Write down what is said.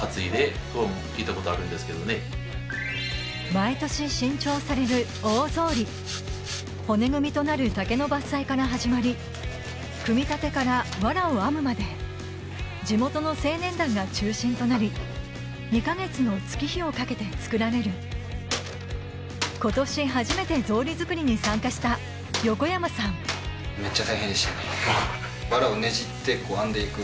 毎年新調される大草履骨組みとなる竹の伐採から始まり組み立てからワラを編むまで地元の青年団が中心となり２か月の月日をかけて作られる今年初めて草履作りに参加しためっちゃ。